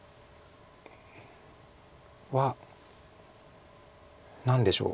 は何でしょう。